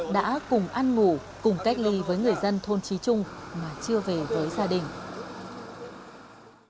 đã cùng ăn ngủ cùng cách ly với người dân thôn trí trung mà chưa về với gia đình